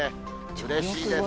うれしいですね。